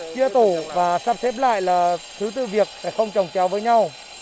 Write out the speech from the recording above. chia tủ và sắp xếp lại là thứ tư việc phải không trồng trèo với nhau